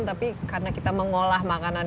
tapi karena kita mengolah makanan